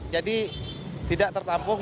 jadi tidak tertampung